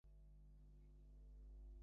সেজন্য আমি তার জীবন বাঁচিয়েছিলাম।